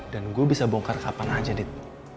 dan gue bisa bongkar kapan aja dit